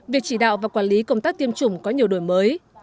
việc chỉ đạo và quản lý công tác tiêm chủng có nhiều đổi mới